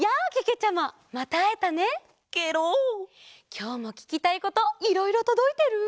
きょうもききたいこといろいろとどいてる？